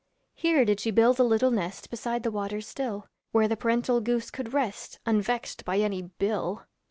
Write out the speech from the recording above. Here did she build a little nest Beside the waters still, Where the parental goose could rest Unvexed by any bill.